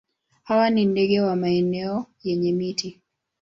Hawa ni ndege wa maeneo yenye miti.